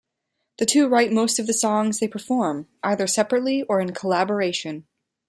The two write most of the songs they perform, either separately or in collaboration.